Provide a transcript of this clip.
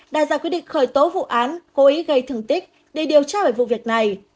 đã ra quyết định khởi tố vụ án cố ý gây thương tích để điều tra về vụ việc này